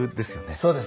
そうです。